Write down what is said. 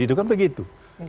itu kan begitu